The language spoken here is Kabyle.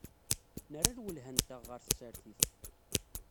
Nerra lwelha-nteɣ ɣer tsertit.